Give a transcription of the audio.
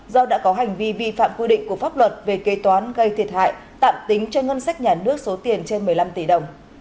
do đã có hành vi vi phạm quy định của pháp luật về kế toán gây thiệt hại tạm tính cho ngân sách nhà nước số tiền trên một mươi năm tỷ đồng